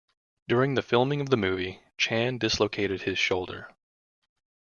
During filming of the movie Chan dislocated his shoulder.